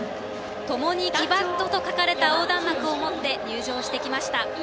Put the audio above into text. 「ともにきばっど！」と書かれた横断幕を持って入場してきました。